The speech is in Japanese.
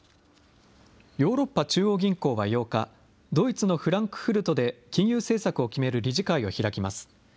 ヨーロッパ中央銀行は８日、ドイツのフランクフルトで、金融政策を決める理事会を開きます。